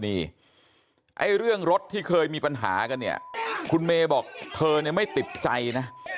นี่ไอ้เรื่องรถที่เคยมีปัญหากันเนี่ยคุณเมย์บอกเธอเนี่ยไม่ติดใจนะ